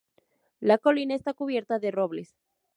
La colina está cubierta de robles.